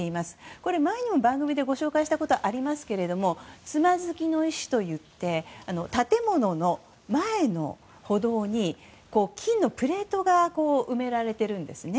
これは前も、番組で紹介したことがありますがつまずきの石といって建物の前の歩道に金のプレートが埋められているんですね。